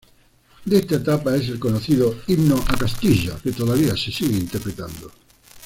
De esta etapa es el conocido "Himno a Castilla" que todavía se sigue interpretando.